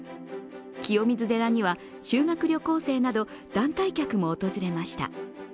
清水寺には修学旅行生など団体客も訪れました。